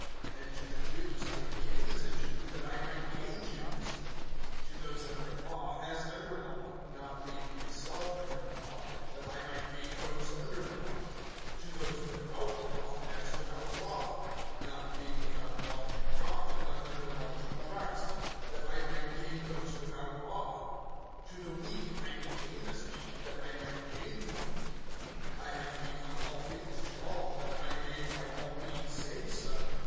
(20)And to the Jews I became as a Jew, that I might gain Jews; to those under law, as under law, not being myself under law, that I might gain those under law; (21)to those without law, as without law (not being without law to God, but under law to Christ), that I might gain those without law. (22)To the weak I became as weak, that I might gain the weak. I have become all things to all, that I may by all means save some.